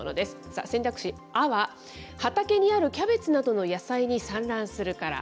さあ、選択肢、アは畑にあるキャベツなどの野菜に産卵するから。